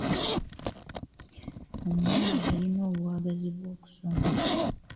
Omuwala yalina obwagazi bw'okusoma.